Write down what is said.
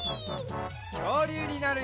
きょうりゅうになるよ！